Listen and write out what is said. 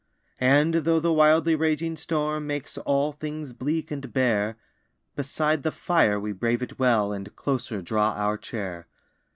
And, though the wildly raging storm Makes all things bleak and bare, Beside the fire we brave it well, And closer draw our chair.